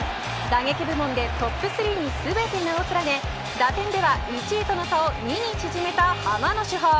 打撃部門でトップ３に全て名を連ね打点では１位との差を２に縮めたハマの主砲。